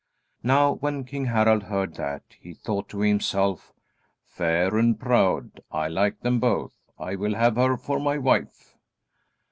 Now when King Harald heard that, he thought to himself: "Fair and proud. I like them both. I will have her for my wife."